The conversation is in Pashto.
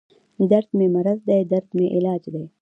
دردمې مرض دی دردمې علاج دی